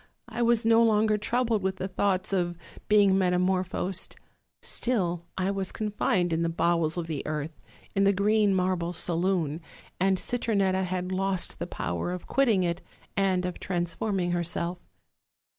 I was no longer troubled with the thoughts of being metamor phosed; still I was confined in the bowels of the earth, in the green marble saloon, and Citronetta had lost the power of quitting it and of transforming herself.